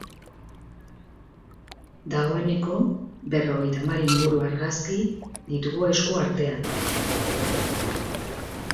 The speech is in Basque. Dagoeneko berrogeita hamar inguru argazki ditugu esku artean.